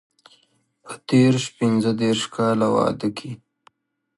په دیرش پنځه دېرش کاله واده کې.